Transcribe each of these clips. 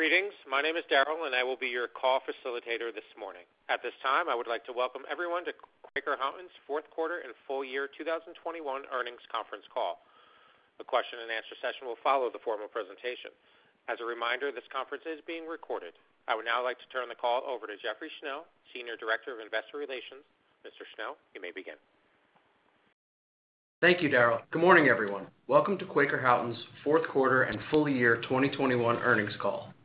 Greetings. My name is Daryl, and I will be your call facilitator this morning. At this time, I would like to welcome everyone to Quaker Houghton's fourth quarter and full year 2021 earnings conference call. The question and answer session will follow the formal presentation. As a reminder, this conference is being recorded. I would now like to turn the call over to Jeffrey Schnell, Senior Director of Investor Relations. Mr. Schnell, you may begin. Thank you, Daryl. Good morning, everyone. Welcome to Quaker Houghton's fourth quarter and full year 2021 earnings call.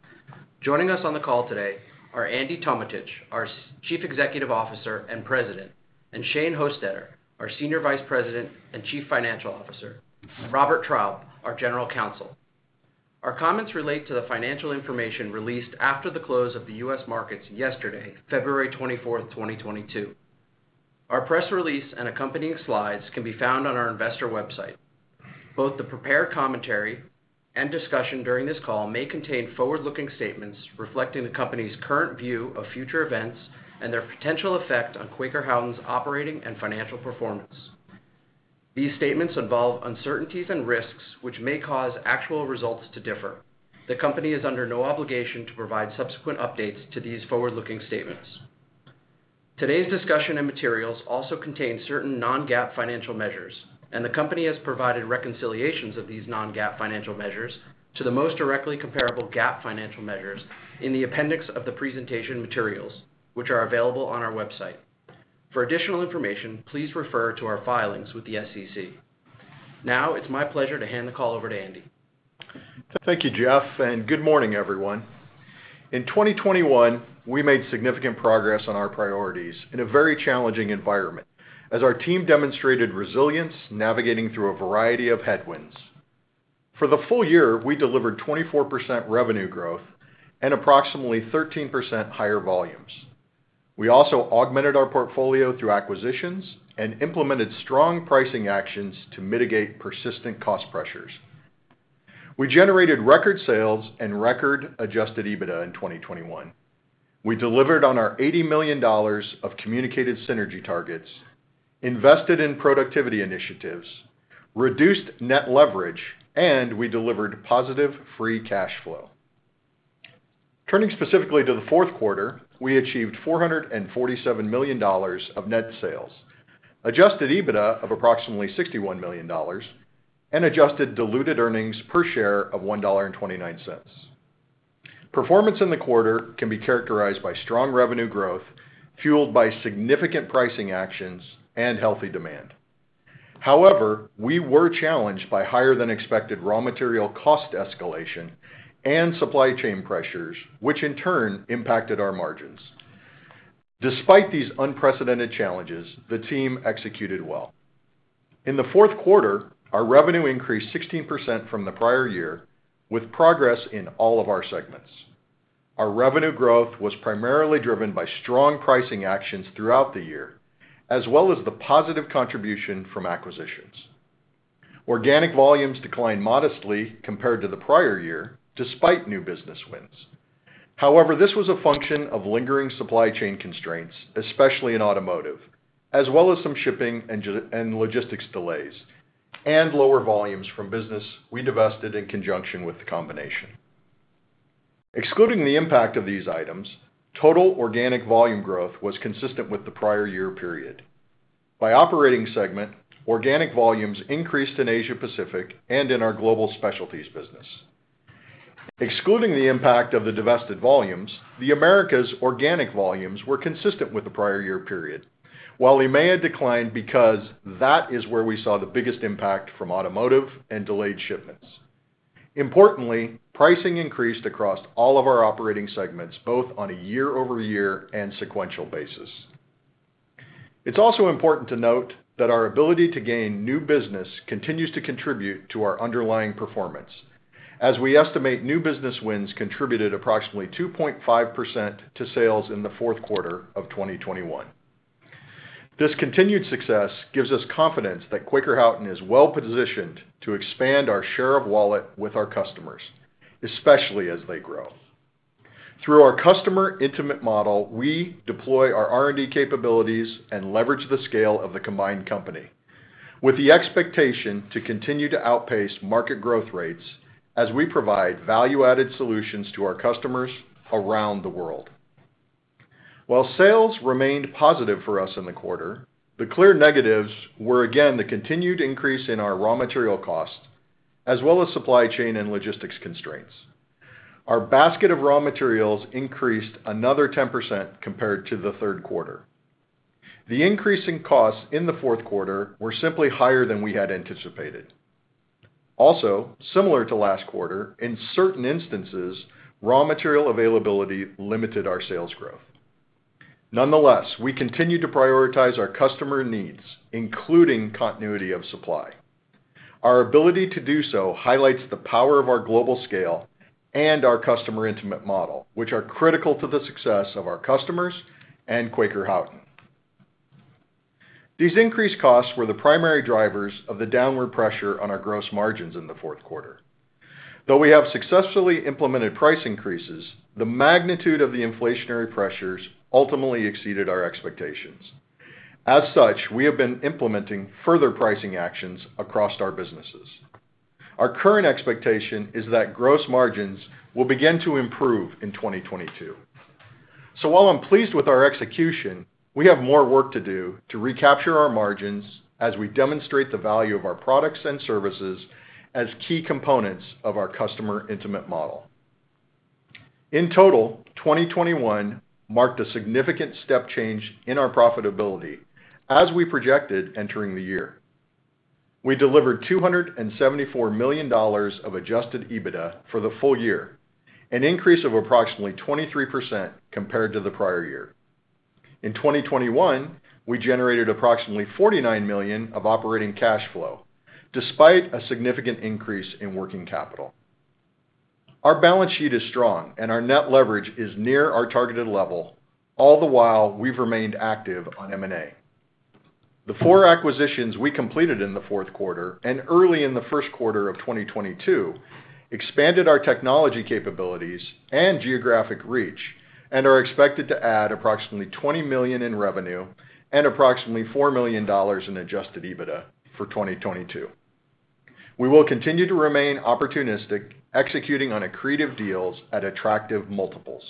Joining us on the call today are Andy Tometich, our Chief Executive Officer and President, and Shane Hostetter, our Senior Vice President and Chief Financial Officer, and Robert Traub, our General Counsel. Our comments relate to the financial information released after the close of the U.S. markets yesterday, February 24, 2022. Our press release and accompanying slides can be found on our investor website. Both the prepared commentary and discussion during this call may contain forward-looking statements reflecting the company's current view of future events and their potential effect on Quaker Houghton's operating and financial performance. These statements involve uncertainties and risks which may cause actual results to differ. The company is under no obligation to provide subsequent updates to these forward-looking statements. Today's discussion and materials also contain certain non-GAAP financial measures, and the company has provided reconciliations of these non-GAAP financial measures to the most directly comparable GAAP financial measures in the appendix of the presentation materials, which are available on our website. For additional information, please refer to our filings with the SEC. Now, it's my pleasure to hand the call over to Andy. Thank you, Jeff, and good morning, everyone. In 2021, we made significant progress on our priorities in a very challenging environment as our team demonstrated resilience navigating through a variety of headwinds. For the full year, we delivered 24% revenue growth and approximately 13% higher volumes. We also augmented our portfolio through acquisitions and implemented strong pricing actions to mitigate persistent cost pressures. We generated record sales and record adjusted EBITDA in 2021. We delivered on our $80 million of communicated synergy targets, invested in productivity initiatives, reduced net leverage, and we delivered positive free cash flow. Turning specifically to the fourth quarter, we achieved $447 million of net sales, adjusted EBITDA of approximately $61 million, and adjusted diluted earnings per share of $1.29. Performance in the quarter can be characterized by strong revenue growth, fueled by significant pricing actions and healthy demand. However, we were challenged by higher than expected raw material cost escalation and supply chain pressures, which in turn impacted our margins. Despite these unprecedented challenges, the team executed well. In the fourth quarter, our revenue increased 16% from the prior year with progress in all of our segments. Our revenue growth was primarily driven by strong pricing actions throughout the year, as well as the positive contribution from acquisitions. Organic volumes declined modestly compared to the prior year despite new business wins. However, this was a function of lingering supply chain constraints, especially in automotive, as well as some shipping and logistics delays, and lower volumes from business we divested in conjunction with the combination. Excluding the impact of these items, total organic volume growth was consistent with the prior year period. By operating segment, organic volumes increased in Asia Pacific and in our Global Specialty Businesses. Excluding the impact of the divested volumes, the Americas organic volumes were consistent with the prior year period. While we may have declined because that is where we saw the biggest impact from automotive and delayed shipments. Importantly, pricing increased across all of our operating segments, both on a year-over-year and sequential basis. It's also important to note that our ability to gain new business continues to contribute to our underlying performance as we estimate new business wins contributed approximately 2.5% to sales in the fourth quarter of 2021. This continued success gives us confidence that Quaker Houghton is well-positioned to expand our share of wallet with our customers, especially as they grow. Through our customer intimate model, we deploy our R&D capabilities and leverage the scale of the combined company with the expectation to continue to outpace market growth rates as we provide value-added solutions to our customers around the world. While sales remained positive for us in the quarter, the clear negatives were again, the continued increase in our raw material costs, as well as supply chain and logistics constraints. Our basket of raw materials increased another 10% compared to the third quarter. The increase in costs in the fourth quarter were simply higher than we had anticipated. Also, similar to last quarter, in certain instances, raw material availability limited our sales growth. Nonetheless, we continue to prioritize our customer needs, including continuity of supply. Our ability to do so highlights the power of our global scale and our customer intimate model, which are critical to the success of our customers and Quaker Houghton. These increased costs were the primary drivers of the downward pressure on our gross margins in the fourth quarter. Though we have successfully implemented price increases, the magnitude of the inflationary pressures ultimately exceeded our expectations. As such, we have been implementing further pricing actions across our businesses. Our current expectation is that gross margins will begin to improve in 2022. While I'm pleased with our execution, we have more work to do to recapture our margins as we demonstrate the value of our products and services as key components of our customer intimate model. In total, 2021 marked a significant step change in our profitability as we projected entering the year. We delivered $274 million of adjusted EBITDA for the full year, an increase of approximately 23% compared to the prior year. In 2021, we generated approximately $49 million of operating cash flow, despite a significant increase in working capital. Our balance sheet is strong and our net leverage is near our targeted level, all the while we've remained active on M&A. The four acquisitions we completed in the fourth quarter and early in the first quarter of 2022 expanded our technology capabilities and geographic reach, and are expected to add approximately $20 million in revenue and approximately $4 million in adjusted EBITDA for 2022. We will continue to remain opportunistic, executing on accretive deals at attractive multiples.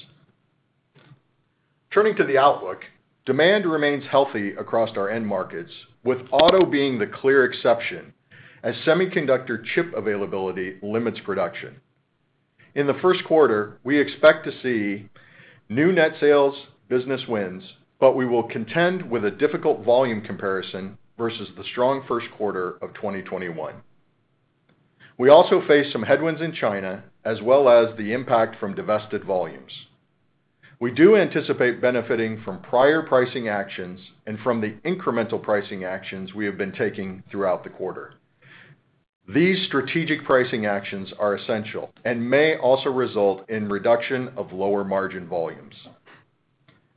Turning to the outlook, demand remains healthy across our end markets, with auto being the clear exception as semiconductor chip availability limits production. In the first quarter, we expect to see new net sales business wins, but we will contend with a difficult volume comparison versus the strong first quarter of 2021. We also face some headwinds in China, as well as the impact from divested volumes. We do anticipate benefiting from prior pricing actions and from the incremental pricing actions we have been taking throughout the quarter. These strategic pricing actions are essential and may also result in reduction of lower margin volumes.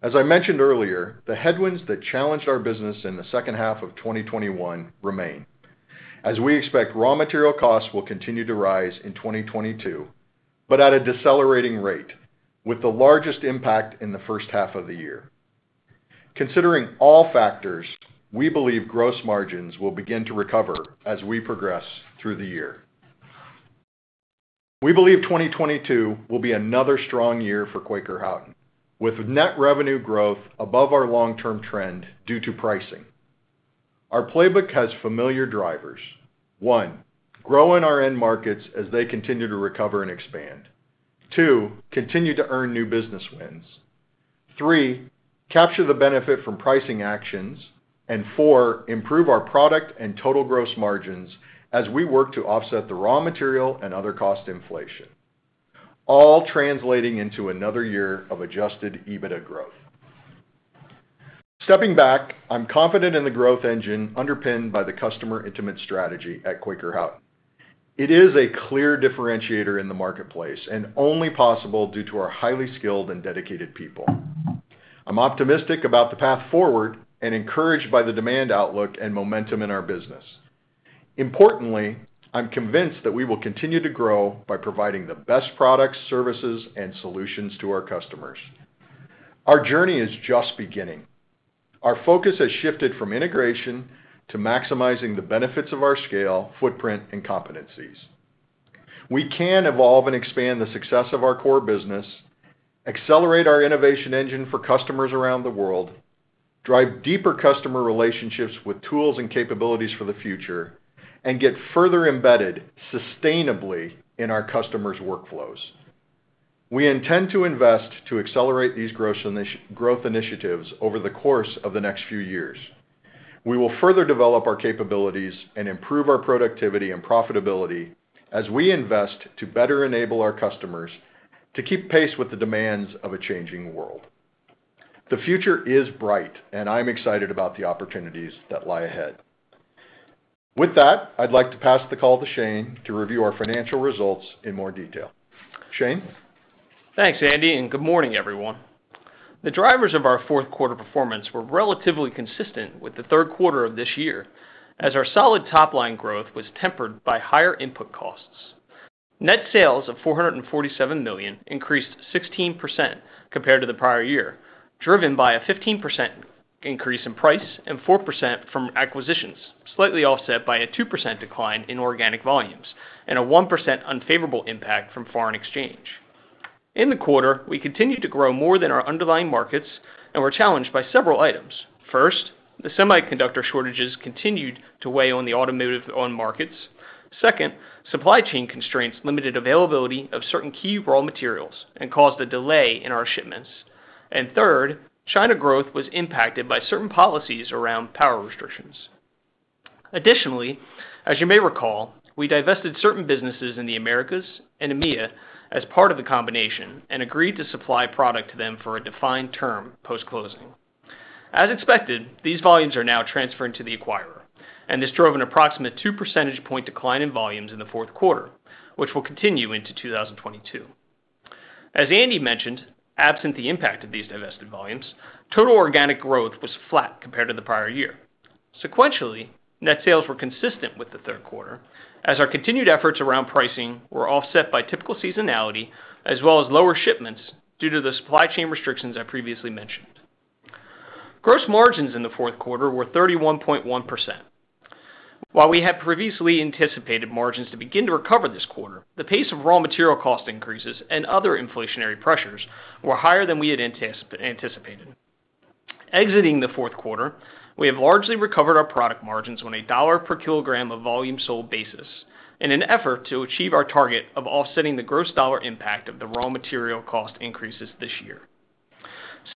As I mentioned earlier, the headwinds that challenged our business in the second half of 2021 remain, as we expect raw material costs will continue to rise in 2022, but at a decelerating rate, with the largest impact in the first half of the year. Considering all factors, we believe gross margins will begin to recover as we progress through the year. We believe 2022 will be another strong year for Quaker Houghton, with net revenue growth above our long-term trend due to pricing. Our playbook has familiar drivers. One, grow in our end markets as they continue to recover and expand. Two, continue to earn new business wins. Three, capture the benefit from pricing actions. And four, improve our product and total gross margins as we work to offset the raw material and other cost inflation, all translating into another year of adjusted EBITDA growth. Stepping back, I'm confident in the growth engine underpinned by the customer intimate strategy at Quaker Houghton. It is a clear differentiator in the marketplace, and only possible due to our highly skilled and dedicated people. I'm optimistic about the path forward and encouraged by the demand outlook and momentum in our business. Importantly, I'm convinced that we will continue to grow by providing the best products, services, and solutions to our customers. Our journey is just beginning. Our focus has shifted from integration to maximizing the benefits of our scale, footprint, and competencies. We can evolve and expand the success of our core business, accelerate our innovation engine for customers around the world, drive deeper customer relationships with tools and capabilities for the future, and get further embedded sustainably in our customers' workflows. We intend to invest to accelerate these growth initiatives over the course of the next few years. We will further develop our capabilities and improve our productivity and profitability as we invest to better enable our customers to keep pace with the demands of a changing world. The future is bright, and I'm excited about the opportunities that lie ahead. With that, I'd like to pass the call to Shane to review our financial results in more detail. Shane? Thanks, Andy, and good morning, everyone. The drivers of our fourth quarter performance were relatively consistent with the third quarter of this year, as our solid top-line growth was tempered by higher input costs. Net sales of $447 million increased 16% compared to the prior year, driven by a 15% increase in price and 4% from acquisitions, slightly offset by a 2% decline in organic volumes and a 1% unfavorable impact from foreign exchange. In the quarter, we continued to grow more than our underlying markets and were challenged by several items. First, the semiconductor shortages continued to weigh on the automotive end markets. Second, supply chain constraints limited availability of certain key raw materials and caused a delay in our shipments. Third, China growth was impacted by certain policies around power restrictions. Additionally, as you may recall, we divested certain businesses in the Americas and EMEIA as part of the combination and agreed to supply product to them for a defined term post-closing. As expected, these volumes are now transferring to the acquirer, and this drove an approximate 2 percentage point decline in volumes in the fourth quarter, which will continue into 2022. As Andy mentioned, absent the impact of these divested volumes, total organic growth was flat compared to the prior year. Sequentially, net sales were consistent with the third quarter as our continued efforts around pricing were offset by typical seasonality as well as lower shipments due to the supply chain restrictions I previously mentioned. Gross margins in the fourth quarter were 31.1%. While we had previously anticipated margins to begin to recover this quarter, the pace of raw material cost increases and other inflationary pressures were higher than we had anticipated. Exiting the fourth quarter, we have largely recovered our product margins on a dollar per kilogram of volume sold basis in an effort to achieve our target of offsetting the gross dollar impact of the raw material cost increases this year.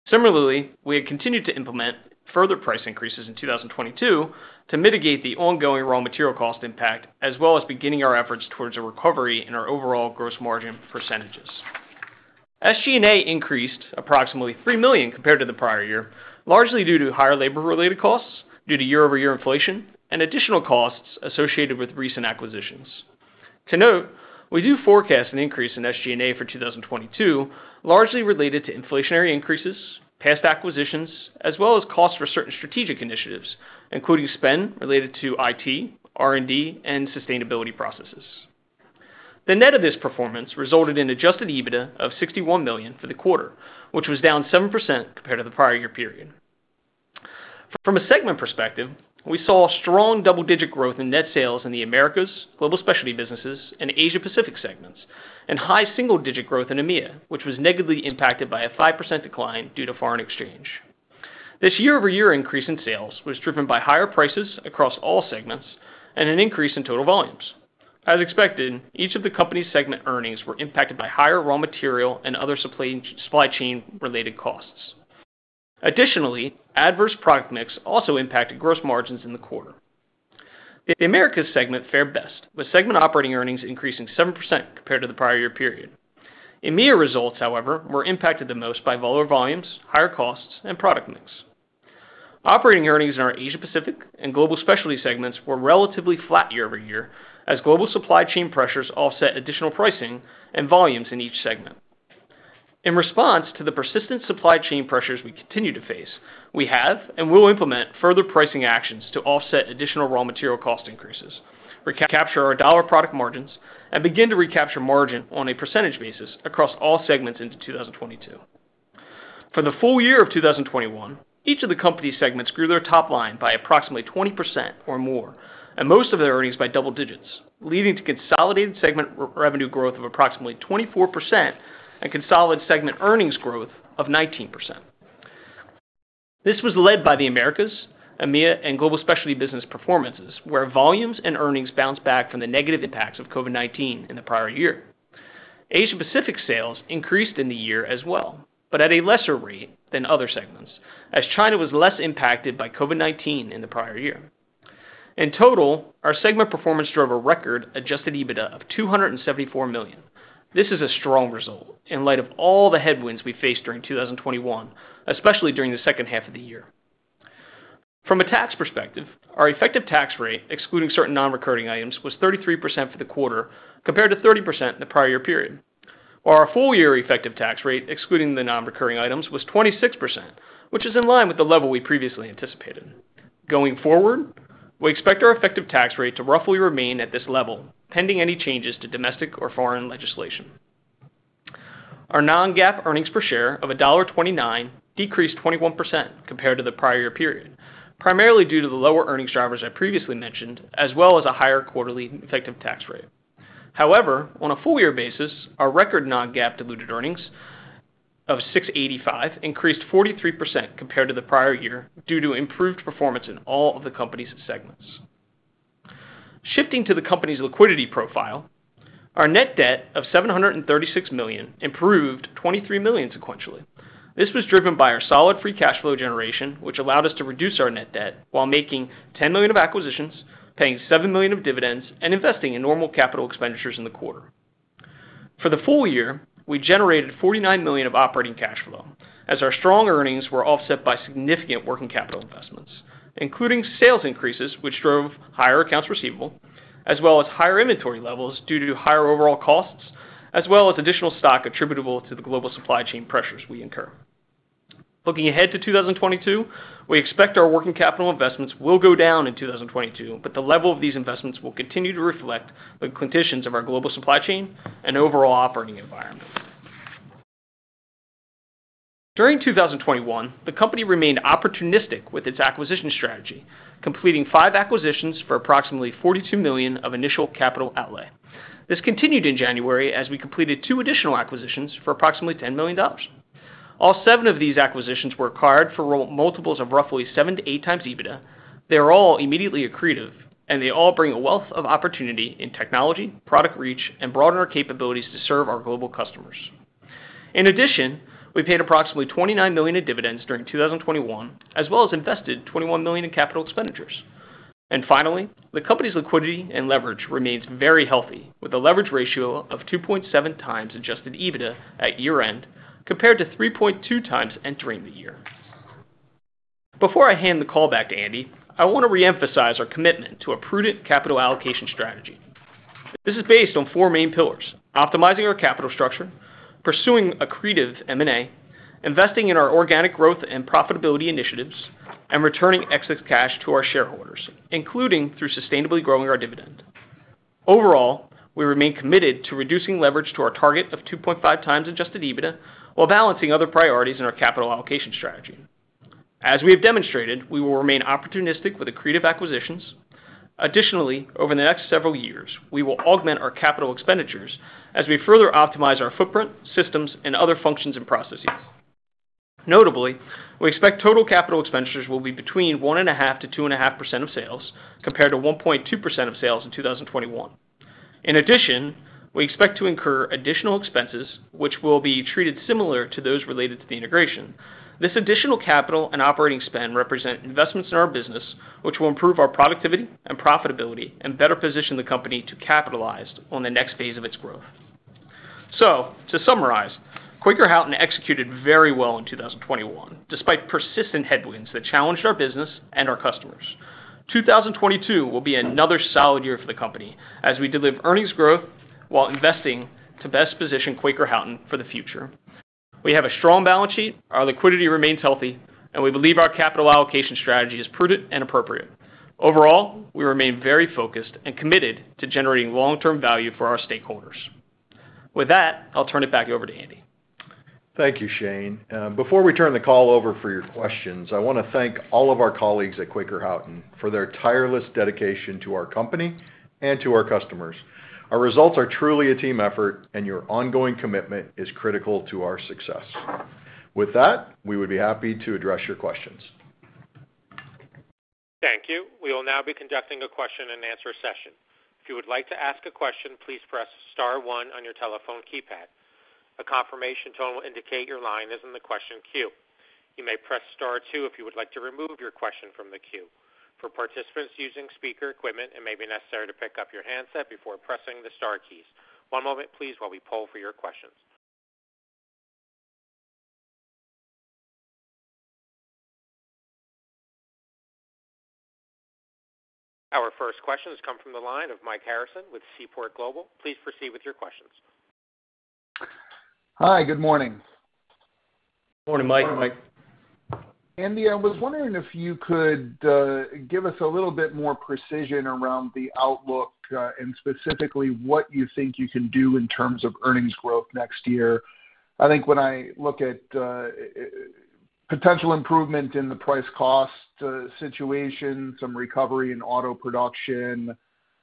Similarly, we have continued to implement further price increases in 2022 to mitigate the ongoing raw material cost impact, as well as beginning our efforts towards a recovery in our overall gross margin percentages. SG&A increased approximately $3 million compared to the prior year, largely due to higher labor related costs due to year-over-year inflation and additional costs associated with recent acquisitions. To note, we do forecast an increase in SG&A for 2022, largely related to inflationary increases, past acquisitions, as well as costs for certain strategic initiatives, including spend related to IT, R&D, and sustainability processes. The net of this performance resulted in adjusted EBITDA of $61 million for the quarter, which was down 7% compared to the prior year period. From a segment perspective, we saw strong double-digit growth in net sales in the Americas, Global Specialty Businesses, and Asia Pacific segments, and high single-digit growth in EMEIA, which was negatively impacted by a 5% decline due to foreign exchange. This year-over-year increase in sales was driven by higher prices across all segments and an increase in total volumes. As expected, each of the company's segment earnings were impacted by higher raw material and other supply chain related costs. Additionally, adverse product mix also impacted gross margins in the quarter. The Americas segment fared best, with segment operating earnings increasing 7% compared to the prior year period. EMEIA results, however, were impacted the most by lower volumes, higher costs, and product mix. Operating earnings in our Asia Pacific and Global Specialty segments were relatively flat year over year as global supply chain pressures offset additional pricing and volumes in each segment. In response to the persistent supply chain pressures we continue to face, we have and will implement further pricing actions to offset additional raw material cost increases, recapture our dollar product margins, and begin to recapture margin on a percentage basis across all segments into 2022. For the full year of 2021, each of the company's segments grew their top line by approximately 20% or more, and most of their earnings by double digits, leading to consolidated segment revenue growth of approximately 24% and consolidated segment earnings growth of 19%. This was led by the Americas, EMEIA, and Global Specialty business performances, where volumes and earnings bounced back from the negative impacts of COVID-19 in the prior year. Asia Pacific sales increased in the year as well, but at a lesser rate than other segments, as China was less impacted by COVID-19 in the prior year. In total, our segment performance drove a record adjusted EBITDA of $274 million. This is a strong result in light of all the headwinds we faced during 2021, especially during the second half of the year. From a tax perspective, our effective tax rate, excluding certain non-recurring items, was 33% for the quarter, compared to 30% in the prior year period. While our full year effective tax rate, excluding the non-recurring items, was 26%, which is in line with the level we previously anticipated. Going forward, we expect our effective tax rate to roughly remain at this level, pending any changes to domestic or foreign legislation. Our non-GAAP earnings per share of $1.29 decreased 21% compared to the prior year period, primarily due to the lower earnings drivers I previously mentioned, as well as a higher quarterly effective tax rate. However, on a full year basis, our record non-GAAP diluted earnings of $6.85 increased 43% compared to the prior year due to improved performance in all of the company's segments. Shifting to the company's liquidity profile, our net debt of $736 million improved $23 million sequentially. This was driven by our solid free cash flow generation, which allowed us to reduce our net debt while making $10 million of acquisitions, paying $7 million of dividends, and investing in normal capital expenditures in the quarter. For the full year, we generated $49 million of operating cash flow as our strong earnings were offset by significant working capital investments, including sales increases which drove higher accounts receivable as well as higher inventory levels due to higher overall costs, as well as additional stock attributable to the global supply chain pressures we incur. Looking ahead to 2022, we expect our working capital investments will go down in 2022, but the level of these investments will continue to reflect the conditions of our global supply chain and overall operating environment. During 2021, the company remained opportunistic with its acquisition strategy, completing 5 acquisitions for approximately $42 million of initial capital outlay. This continued in January as we completed 2 additional acquisitions for approximately $10 million. All 7 of these acquisitions were acquired for multiples of roughly 7-8x EBITDA. They are all immediately accretive, and they all bring a wealth of opportunity in technology, product reach, and broaden our capabilities to serve our global customers. In addition, we paid approximately $29 million in dividends during 2021, as well as invested $21 million in capital expenditures. Finally, the company's liquidity and leverage remains very healthy, with a leverage ratio of 2.7 times adjusted EBITDA at year-end, compared to 3.2 times entering the year. Before I hand the call back to Andy, I want to reemphasize our commitment to a prudent capital allocation strategy. This is based on four main pillars, optimizing our capital structure, pursuing accretive M&A, investing in our organic growth and profitability initiatives, and returning excess cash to our shareholders, including through sustainably growing our dividend. Overall, we remain committed to reducing leverage to our target of 2.5 times adjusted EBITDA while balancing other priorities in our capital allocation strategy. As we have demonstrated, we will remain opportunistic with accretive acquisitions. Additionally, over the next several years, we will augment our capital expenditures as we further optimize our footprint, systems, and other functions and processes. Notably, we expect total capital expenditures will be between 1.5%-2.5% of sales compared to 1.2% of sales in 2021. In addition, we expect to incur additional expenses, which will be treated similar to those related to the integration. This additional capital and operating spend represent investments in our business, which will improve our productivity and profitability and better position the company to capitalize on the next phase of its growth. To summarize, Quaker Houghton executed very well in 2021, despite persistent headwinds that challenged our business and our customers. 2022 will be another solid year for the company as we deliver earnings growth while investing to best position Quaker Houghton for the future. We have a strong balance sheet, our liquidity remains healthy, and we believe our capital allocation strategy is prudent and appropriate. Overall, we remain very focused and committed to generating long-term value for our stakeholders. With that, I'll turn it back over to Andy. Thank you, Shane. Before we turn the call over for your questions, I want to thank all of our colleagues at Quaker Houghton for their tireless dedication to our company and to our customers. Our results are truly a team effort, and your ongoing commitment is critical to our success. With that, we would be happy to address your questions. Thank you. We will now be conducting a question-and-answer session. If you would like to ask a question, please press star one on your telephone keypad. A confirmation tone will indicate your line is in the question queue. You may press star two if you would like to remove your question from the queue. For participants using speaker equipment, it may be necessary to pick up your handset before pressing the star keys. One moment please while we poll for your questions. Our first question has come from the line of Mike Harrison with Seaport Global. Please proceed with your questions. Hi, good morning. Morning, Mike. Morning, Mike. Andy, I was wondering if you could give us a little bit more precision around the outlook, and specifically what you think you can do in terms of earnings growth next year. I think when I look at potential improvement in the price cost situation, some recovery in auto production,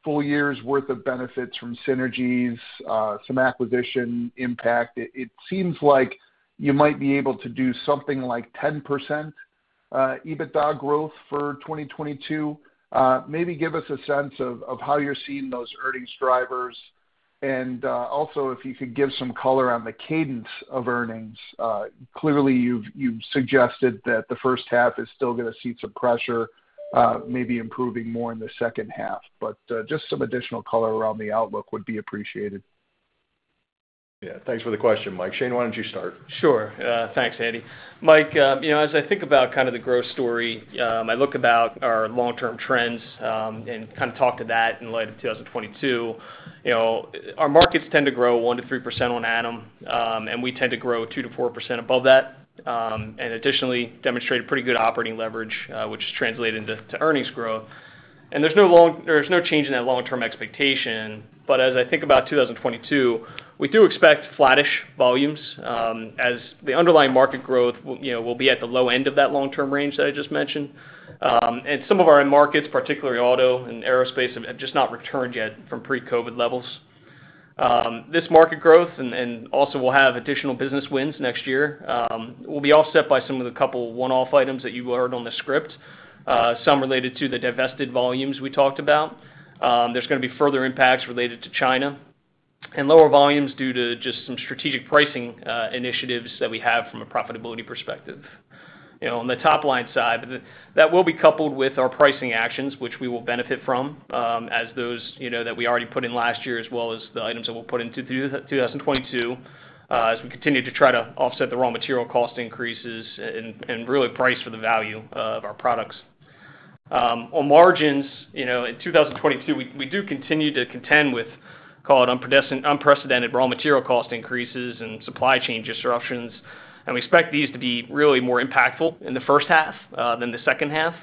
full year's worth of benefits from synergies, some acquisition impact, it seems like you might be able to do something like 10% EBITDA growth for 2022. Maybe give us a sense of how you're seeing those earnings drivers. Also, if you could give some color on the cadence of earnings. Clearly, you've suggested that the first half is still gonna see some pressure, maybe improving more in the second half. Just some additional color around the outlook would be appreciated. Yeah. Thanks for the question, Mike. Shane, why don't you start? Sure. Thanks, Andy. Mike as I think about kind of the growth story, I talk about our long-term trends, and kind of talk to that in light of 2022. Our markets tend to grow 1%-3% per annum, and we tend to grow 2%-4% above that, and additionally demonstrate a pretty good operating leverage, which is translated into earnings growth. There's no change in that long-term expectation. As I think about 2022, we do expect flattish volumes, as the underlying market growth will, you know, be at the low end of that long-term range that I just mentioned. Some of our end markets, particularly auto and aerospace, have just not returned yet from pre-COVID levels. This market growth and also we'll have additional business wins next year will be offset by some of the couple one-off items that you heard on the script, some related to the divested volumes we talked about. There's gonna be further impacts related to China and lower volumes due to just some strategic pricing initiatives that we have from a profitability perspective. On the top-line side, that will be coupled with our pricing actions, which we will benefit from, as those, you know, that we already put in last year, as well as the items that we'll put into 2022, as we continue to try to offset the raw material cost increases and really price for the value of our products. On margins in 2022, we do continue to contend with, call it unprecedented raw material cost increases and supply chain disruptions. We expect these to be really more impactful in the first half than the second half,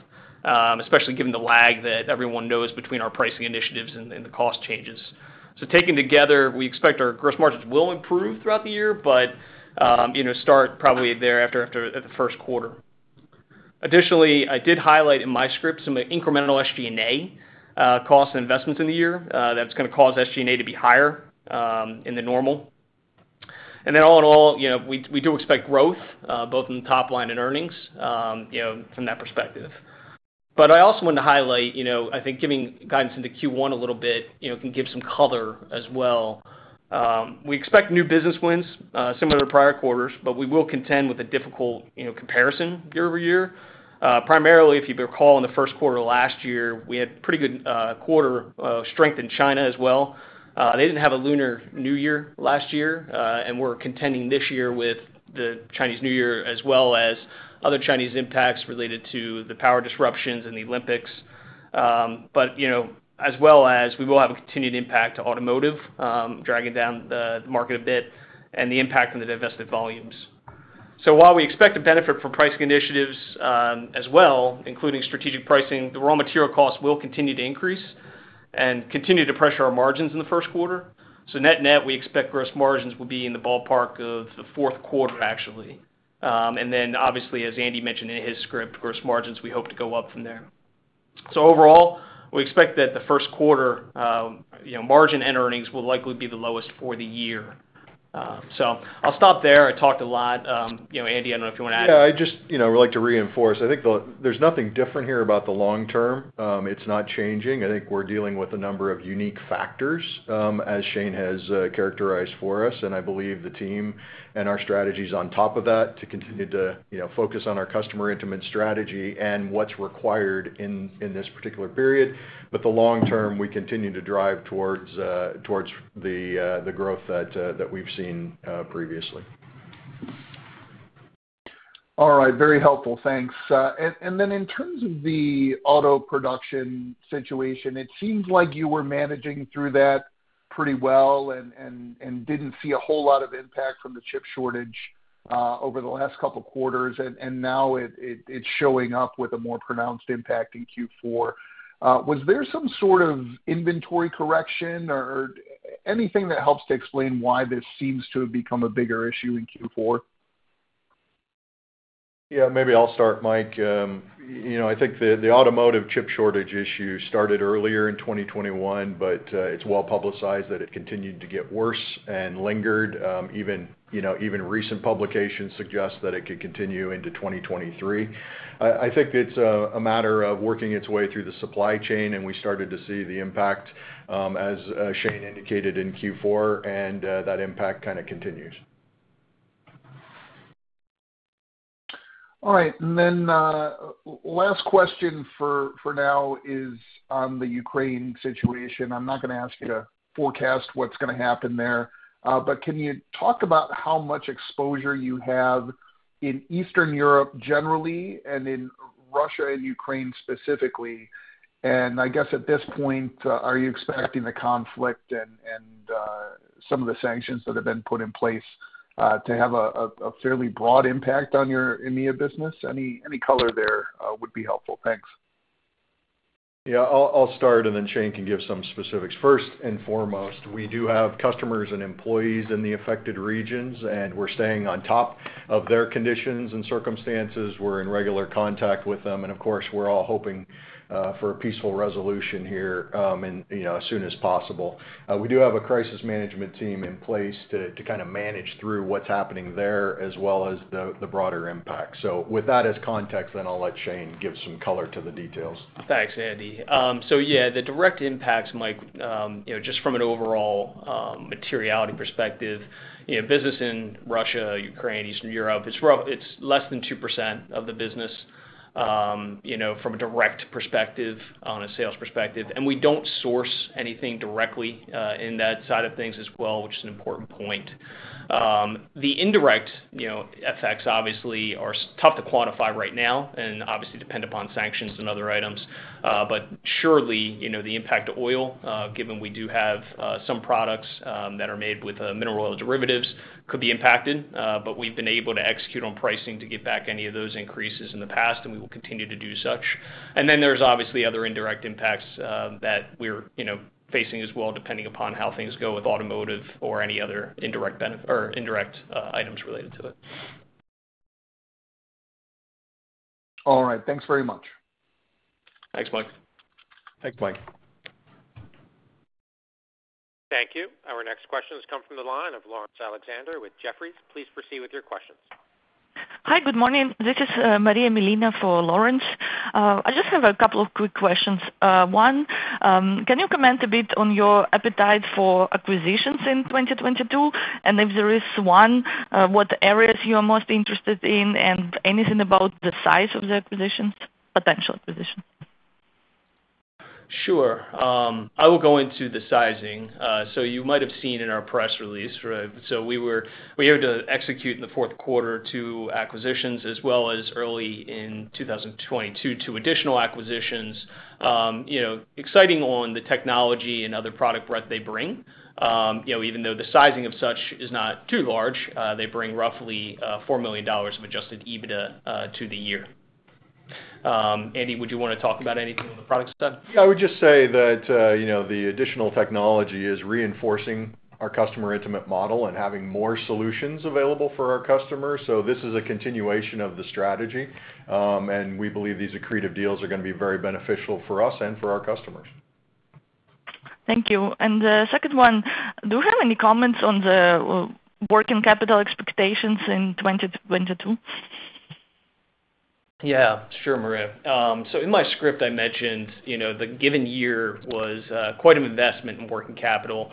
especially given the lag that everyone knows between our pricing initiatives and the cost changes. Taken together, we expect our gross margins will improve throughout the year, but start probably thereafter after the first quarter. Additionally, I did highlight in my script some incremental SG&A cost investments in the year, that's gonna cause SG&A to be higher in the normal. Then all in all we do expect growth both in the top line and earnings from that perspective. I also want to highlight I think giving guidance into Q1 a little bit can give some color as well. We expect new business wins similar to prior quarters, but we will contend with a difficult comparison year-over-year. Primarily, if you recall, in the first quarter of last year, we had pretty good quarter strength in China as well. They didn't have a Lunar New Year last year, and we're contending this year with the Chinese New Year as well as other Chinese impacts related to the power disruptions and the Olympics. As well as we will have a continued impact to automotive, dragging down the market a bit and the impact on the divested volumes. While we expect a benefit from pricing initiatives, as well, including strategic pricing, the raw material costs will continue to increase and continue to pressure our margins in the first quarter. Net-net, we expect gross margins will be in the ballpark of the fourth quarter, actually. Then obviously, as Andy mentioned in his script, gross margins we hope to go up from there. Overall, we expect that the first quarte margin and earnings will likely be the lowest for the year. I'll stop there. I talked a lot. Andy, I don't know if you wanna add. Yeah, I just would like to reinforce. I think there's nothing different here about the long term. It's not changing. I think we're dealing with a number of unique factors, as Shane has characterized for us, and I believe the team and our strategy's on top of that to continue to focus on our customer intimate strategy and what's required in this particular period. The long term, we continue to drive towards the growth that we've seen previously. All right. Very helpful. Thanks. In terms of the auto production situation, it seems like you were managing through that pretty well and didn't see a whole lot of impact from the chip shortage over the last couple quarters, and now it's showing up with a more pronounced impact in Q4. Was there some sort of inventory correction or anything that helps to explain why this seems to have become a bigger issue in Q4? Yeah, maybe I'll start, Mike. The automotive chip shortage issue started earlier in 2021, but it's well-publicized that it continued to get worse and lingered, even recent publications suggest that it could continue into 2023. I think it's a matter of working its way through the supply chain, and we started to see the impact, as Shane indicated in Q4, and that impact kinda continues. All right. Last question for now is on the Ukraine situation. I'm not gonna ask you to forecast what's gonna happen there, but can you talk about how much exposure you have in Eastern Europe generally and in Russia and Ukraine specifically? I guess at this point, are you expecting the conflict and some of the sanctions that have been put in place to have a fairly broad impact on your EMEA business? Any color there would be helpful. Thanks. Yeah, I'll start, and then Shane can give some specifics. First and foremost, we do have customers and employees in the affected regions, and we're staying on top of their conditions and circumstances. We're in regular contact with them, and of course, we're all hoping for a peaceful resolution here, and, as soon as possible. We do have a crisis management team in place to kinda manage through what's happening there as well as the broader impact. With that as context, I'll let Shane give some color to the details. Thanks, Andy. So yeah, the direct impacts, Mike, just from an overall materiality perspective business in Russia, Ukraine, Eastern Europe, it's rough. It's less than 2% of the business from a direct perspective, on a sales perspective. We don't source anything directly in that side of things as well, which is an important point. The indirect, effects obviously are tough to quantify right now and obviously depend upon sanctions and other items. But surely, the impact to oil given we do have some products that are made with mineral oil derivatives could be impacted, but we've been able to execute on pricing to give back any of those increases in the past, and we will continue to do such. There's obviously other indirect impacts that we're facing as well, depending upon how things go with automotive or any other indirect items related to it. All right. Thanks very much. Thanks, Mike. Thanks, Mike. Thank you. Our next question has come from the line of Laurence Alexander with Jefferies. Please proceed with your questions. Hi, good morning. This is Maria Milina for Laurence. I just have a couple of quick questions. One, can you comment a bit on your appetite for acquisitions in 2022? If there is one, what areas you are most interested in and anything about the size of the acquisitions, potential acquisitions? Sure. I will go into the sizing. You might have seen in our press release, right? We had to execute in the fourth quarter 2 acquisitions as well as early in 2022, two additional acquisitions exciting on the technology and other product breadth they bring. Even though the sizing of such is not too large, they bring roughly $4 million of adjusted EBITDA to the year. Andy, would you wanna talk about anything on the products side? Yeah, I would just say that the additional technology is reinforcing our customer intimate model and having more solutions available for our customers. This is a continuation of the strategy, and we believe these accretive deals are gonna be very beneficial for us and for our customers. Thank you. The second one, do you have any comments on the working capital expectations in 2022? Yeah, sure, Maria. So in my script, I mentioned the given year was quite an investment in working capital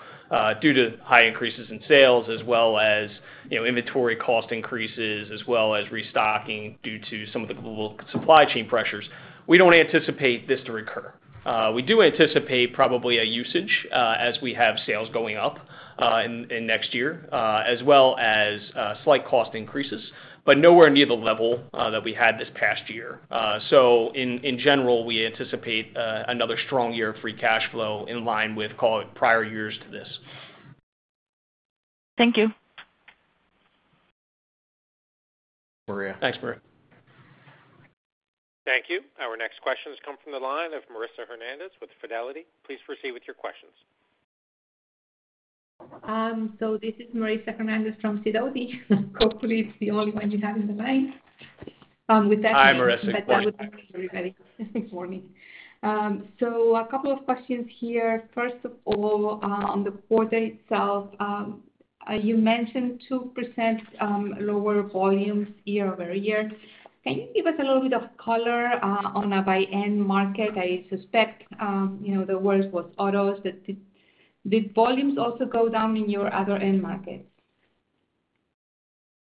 due to high increases in sales as well as inventory cost increases as well as restocking due to some of the global supply chain pressures. We don't anticipate this to recur. We do anticipate probably a usage as we have sales going up in next year as well as slight cost increases, but nowhere near the level that we had this past year, so in general, we anticipate another strong year of free cash flow in line with, call it, prior years to this. Thank you. Thanks, Maria. Thanks, Maria. Thank you. Our next question has come from the line of Marissa Hernandez with Fidelity. Please proceed with your questions. This is Marissa Hernandez from Fidelity. Hopefully, it's the only one you have in the line. With that- Hi, Marissa. Good morning. That would be very, very good for me. A couple of questions here. First of all, on the quarter itself, you mentioned 2% lower volumes year-over-year. Can you give us a little bit of color on a by end market? I suspect the worst was autos. Did volumes also go down in your other end markets?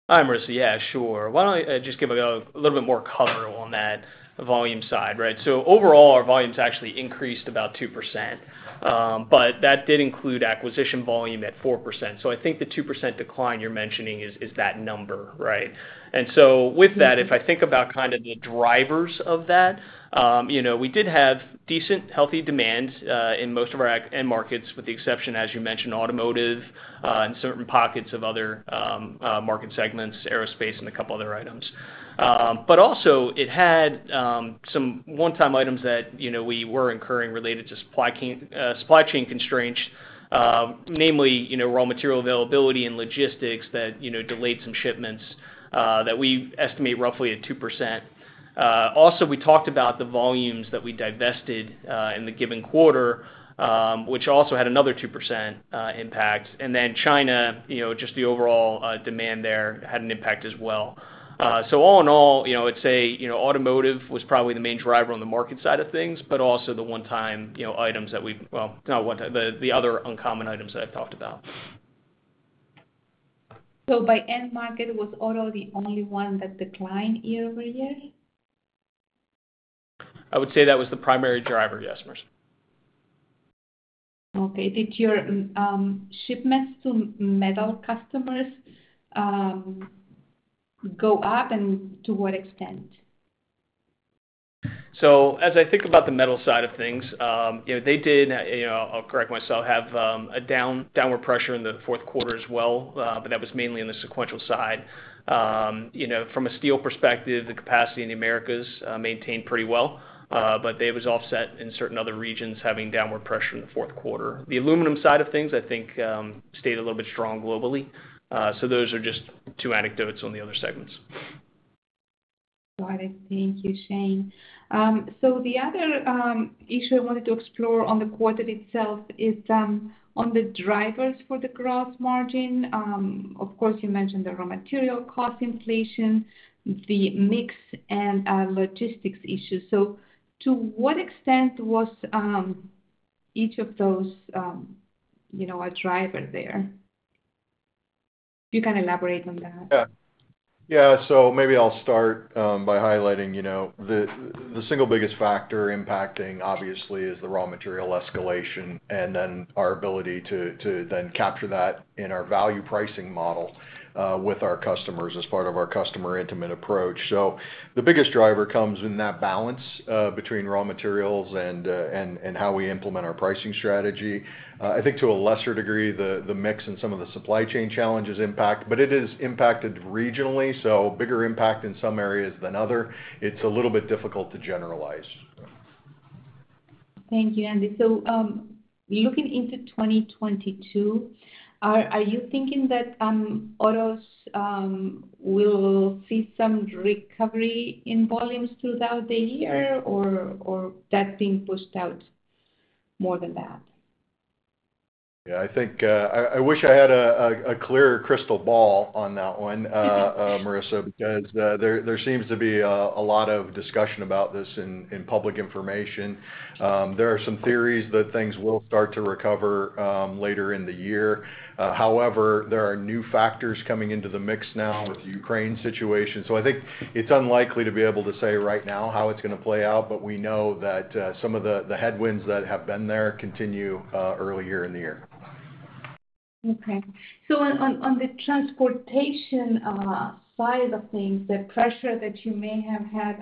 Hi, Marissa. Yeah, sure. Why don't I just give a little bit more color on that volume side, right? Overall, our volumes actually increased about 2%. That did include acquisition volume at 4%. I think the 2% decline you're mentioning is that number, right? With that, if I think about kind of the drivers of that, you know, we did have decent, healthy demand in most of our end markets, with the exception, as you mentioned, automotive, and certain pockets of other market segments, aerospace, and a couple other items. Also it had some one-time items that we were incurring related to supply chain constraints, namely raw material availability and logistics that delayed some shipments that we estimate roughly at 2%. Also, we talked about the volumes that we divested in the given quarter, which also had another 2% impact. Then China just the overall demand there had an impact as well. All in all, I'd say automotive was probably the main driver on the market side of things, but also the one-time items that we've well, not one-time, the other uncommon items that I've talked about. By end market, was auto the only one that declined year-over-year? I would say that was the primary driver. Yes, Marissa. Okay. Did your shipments to metal customers go up and to what extent? As I think about the metal side of things they did have a downward pressure in the fourth quarter as well, but that was mainly on the sequential side. From a steel perspective, the capacity in the Americas maintained pretty well, but that was offset in certain other regions having downward pressure in the fourth quarter. The aluminum side of things stayed a little bit strong globally. Those are just two anecdotes on the other segments. Got it. Thank you, Shane. The other issue I wanted to explore on the quarter itself is on the drivers for the gross margin. Of course, you mentioned the raw material cost inflation, the mix, and logistics issues. To what extent was each of those you know a driver there? You can elaborate on that. Maybe I'll start by highlighting the single biggest factor impacting, obviously, is the raw material escalation and then our ability to then capture that in our value pricing model with our customers as part of our customer-intimate approach. The biggest driver comes in that balance between raw materials and how we implement our pricing strategy. I think to a lesser degree, the mix and some of the supply chain challenges impact, but it is impacted regionally, so bigger impact in some areas than other. It's a little bit difficult to generalize. Thank you, Andy. Looking into 2022, are you thinking that autos will see some recovery in volumes throughout the year or that being pushed out more than that? Yeah, I wish I had a clearer crystal ball on that one, Marissa, because there seems to be a lot of discussion about this in public information. There are some theories that things will start to recover later in the year. However, there are new factors coming into the mix now with the Ukraine situation. I think it's unlikely to be able to say right now how it's gonna play out, but we know that some of the headwinds that have been there continue early in the year. Okay. On the transportation side of things, the pressure that you may have had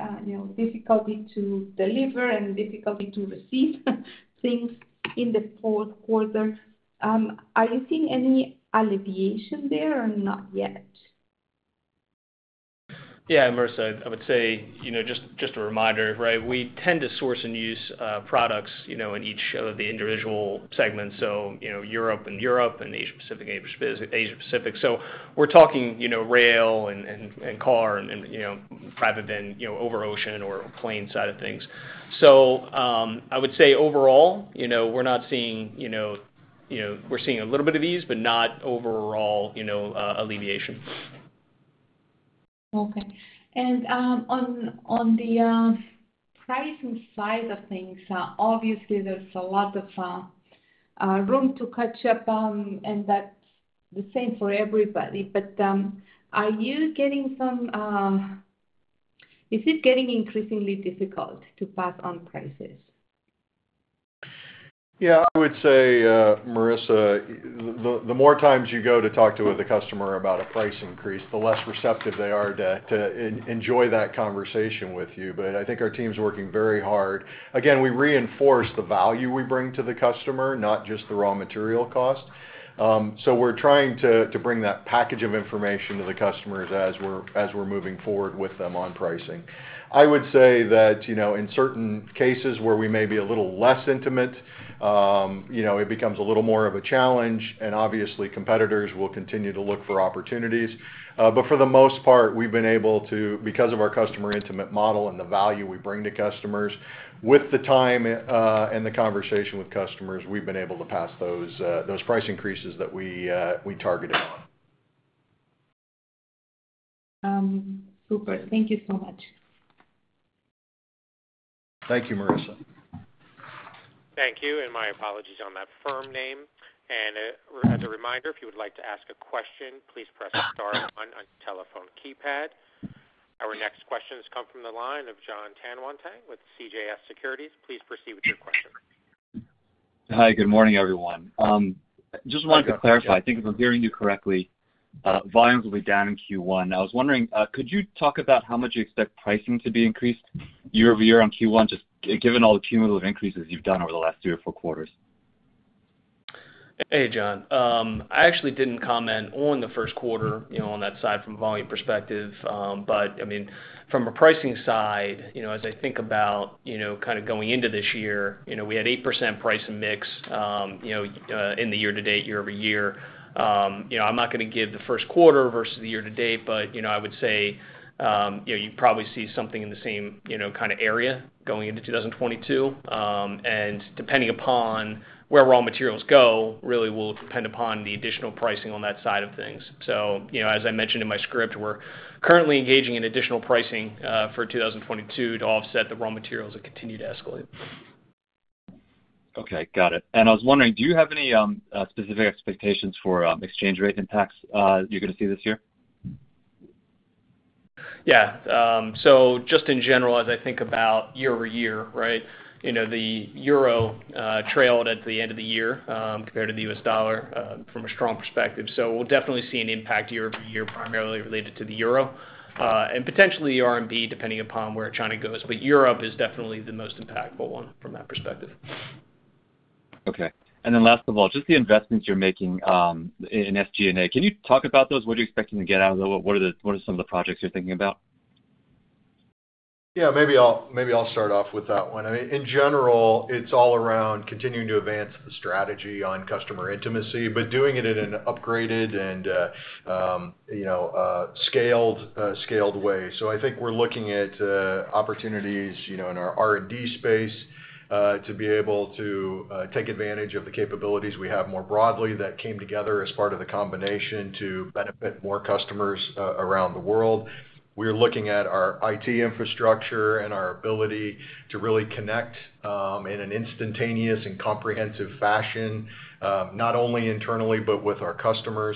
difficulty to deliver and difficulty to receive things in the fourth quarter, are you seeing any alleviation there or not yet? Yeah, Marissa. I would say just a reminder, right, we tend to source and use products in each of the individual segments. Europe in Europe and Asia Pacific in Asia Pacific. We're talking rail and car and private van over ocean or plane side of things. I would say overall, we're not seeing overall alleviation. We're seeing a little bit of ease, but not overall. Okay. On the pricing side of things, obviously there's a lot of room to catch up, and that's the same for everybody. Is it getting increasingly difficult to pass on prices? Yeah, I would say, Marissa, the more times you go to talk to the customer about a price increase, the less receptive they are to enjoy that conversation with you. I think our team's working very hard. Again, we reinforce the value we bring to the customer, not just the raw material cost. We're trying to bring that package of information to the customers as we're moving forward with them on pricing. I would say that in certain cases where we may be a little less intimate, it becomes a little more of a challenge, and obviously, competitors will continue to look for opportunities. For the most part, we've been able to, because of our customer intimate model and the value we bring to customers with the time and the conversation with customers, we've been able to pass those price increases that we targeted on. Super. Thank you so much. Thank you, Marissa. Thank you, and my apologies on that firm name. As a reminder, if you would like to ask a question, please press star one on your telephone keypad. Our next questions come from the line of Jon Tanwanteng with CJS Securities. Please proceed with your question. Hi. Good morning, everyone. Just wanted to clarify. I think if I'm hearing you correctly, volumes will be down in Q1. I was wondering, could you talk about how much you expect pricing to be increased year-over-year on Q1, just given all the cumulative increases you've done over the last three or four quarters? Hey, Jon. I actually didn't comment on the first quarter on that side from volume perspective. I mean, from a pricing sideas I think about kinda going into this year we had 8% price and mix in the year to date, year-over-year. I'm not gonna give the first quarter versus the year to date, but I would say you probably see something in the same kinda area going into 2022. Depending upon where raw materials go really will depend upon the additional pricing on that side of things. As I mentioned in my script, we're currently engaging in additional pricing for 2022 to offset the raw materials that continue to escalate. I was wondering, do you have any specific expectations for exchange rate impacts you're gonna see this year? Yeah. So just in general, as I think about year-over-year, right? The euro trailed at the end of the year compared to the U.S. dollar from a strong perspective. We'll definitely see an impact year-over-year, primarily related to the euro and potentially RMB, depending upon where China goes, but Europe is definitely the most impactful one from that perspective. Okay. Last of all, just the investments you're making in SG&A. Can you talk about those? What are you expecting to get out of them? What are some of the projects you're thinking about? Yeah, maybe I'll start off with that one. In general, it's all around continuing to advance the strategy on customer intimacy, but doing it in an upgraded and, you know, scaled way. I think we're looking at opportunities in our R&D space to be able to take advantage of the capabilities we have more broadly that came together as part of the combination to benefit more customers around the world. We're looking at our IT infrastructure and our ability to really connect in an instantaneous and comprehensive fashion not only internally, but with our customers.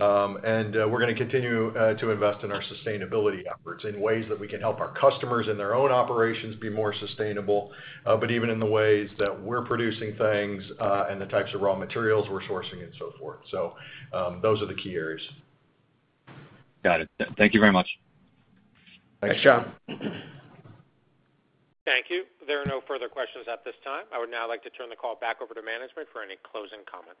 We're gonna continue to invest in our sustainability efforts in ways that we can help our customers in their own operations be more sustainable, but even in the ways that we're producing things, and the types of raw materials we're sourcing and so forth. Those are the key areas. Got it. Thank you very much. Thanks, Jon. Thank you. There are no further questions at this time. I would now like to turn the call back over to management for any closing comments.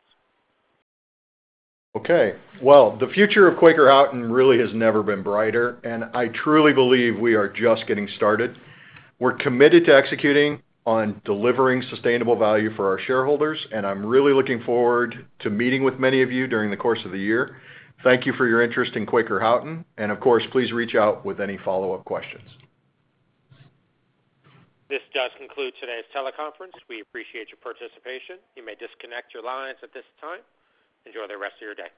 Okay, well, the future of Quaker Houghton really has never been brighter, and I truly believe we are just getting started. We're committed to executing on delivering sustainable value for our shareholders, and I'm really looking forward to meeting with many of you during the course of the year. Thank you for your interest in Quaker Houghton, and of course, please reach out with any follow-up questions. This does conclude today's teleconference. We appreciate your participation. You may disconnect your lines at this time. Enjoy the rest of your day.